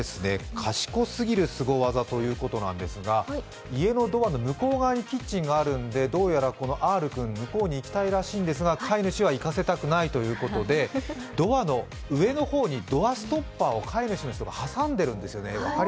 賢すぎるスゴワザということですが、家のドアの向こう側にキッチンがあるのでどうやらこのアールくん、キッチンに行きたいようなんですが飼い主は行かせたくないということでドアの上の方にドアストッパーを飼い主の人が挟んでるんですよね。